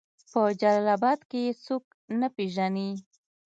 په جلال آباد کې يې څوک نه پېژني